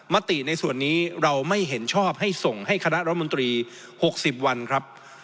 มติในส่วนนี้เราไม่เห็นชอบให้ส่งให้คณะรัฐมนตรี๖๐วันครับ